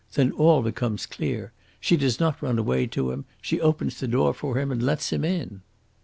Then all becomes clear. She does not run away to him; she opens the door for him and lets him in."